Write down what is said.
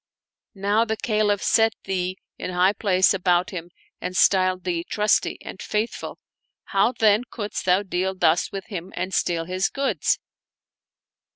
Now the Caliph set thee in high place about him and styled thee ' Trusty ' and ' Faithful '; how then couldst thou deal thus with him and steal his goods